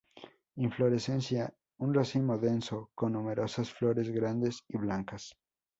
Inflorescencia un racimo denso con numerosas flores grandes y blancas.